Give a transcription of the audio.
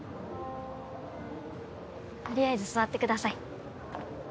取りあえず座ってください。